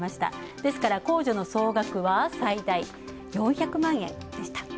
ですから、控除の総額は最大４００万円でした。